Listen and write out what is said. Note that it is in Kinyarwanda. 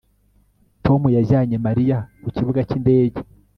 Tom yajyanye Mariya ku kibuga cyindege